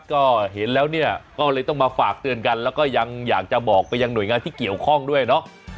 ก็เห็นแล้วเนี่ยก็เลยต้องมาฝากเตือนกันแล้วก็ยังอยากจะบอกไปยังหน่วยงานที่เกี่ยวข้องด้วยเนาะ